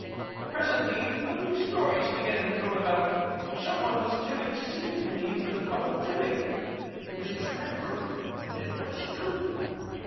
"Presently ugly stories began to float about. Some one was killing seemingly for the fun of killing. It was dreadful, but it was true.